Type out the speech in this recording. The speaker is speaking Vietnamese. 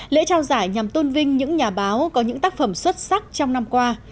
lễ trao giải nhằm tôn vinh những nhà báo có những tác phẩm xuất sắc trong năm qua